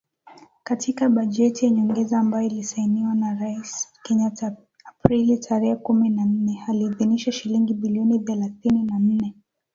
Katika bajeti ya nyongeza ambayo ilisainiwa na Rais Kenyatta Aprili tarehe kumi na nne, aliidhinisha shilingi bilioni thelathini na nne.